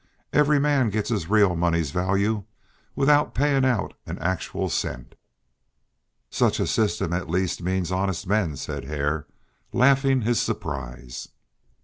Every man gets his real money's value without paying out an actual cent." "Such a system at least means honest men," said Hare, laughing his surprise.